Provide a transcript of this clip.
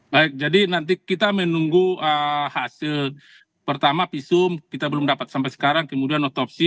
baik jadi nanti kita menunggu hasil pertama visum kita belum dapat sampai sekarang kemudian otopsi